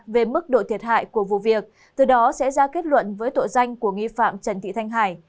về mức độ thiệt hại của vụ việc từ đó sẽ ra kết luận với tội danh của nghi phạm trần thị thanh hải